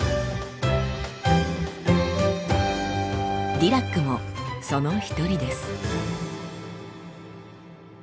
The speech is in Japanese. ディラックもその一人です。